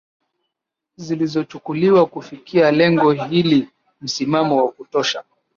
zilizochukuliwa kufikia lengo hili Msimamo wa kutosha